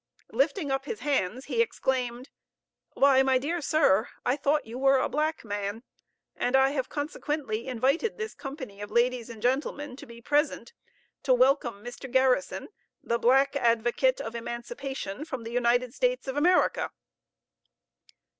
Lifting up his hands he exclaimed, "Why, my dear sir, I thought you were a black man. And I have consequently invited this company of ladies and gentlemen to be present to welcome Mr. Garrison, the black advocate of emancipation from the United States of America."